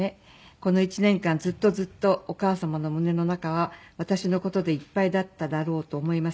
「この１年間ずっとずっとお母様の胸の中は私の事でいっぱいだっただろうと思います」